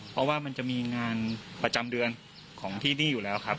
เพราะว่ามันจะมีงานประจำเดือนของที่นี่อยู่แล้วครับ